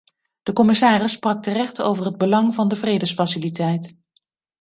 De commissaris sprak terecht over het belang van de vredesfaciliteit.